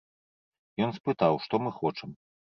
Ён спытаў, што мы хочам.